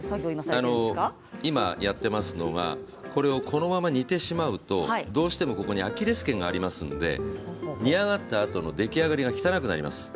今やっていますのはこのまま煮てしまうとどうしてもアキレスけんがありますので煮上がったあとの出来上がりが汚くなります。